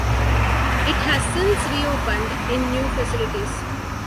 It has since reopened in new facilities.